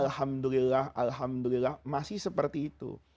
bertahmid kan alhamdulillah alhamdulillah masih seperti itu